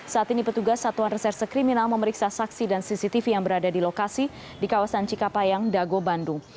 saat ini petugas satuan reserse kriminal memeriksa saksi dan cctv yang berada di lokasi di kawasan cikapayang dago bandung